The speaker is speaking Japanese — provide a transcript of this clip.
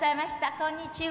こんにちは。